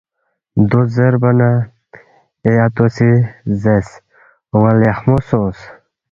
دو زیربا نہ اے اتو سی زیرس، ”اون٘ا لیخمو سونگس